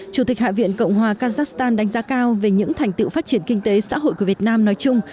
chủ tịch hạ viện cộng hòa kazakhstan đánh giá cao về những thành tựu phát triển kinh tế xã hội của việt nam nói chung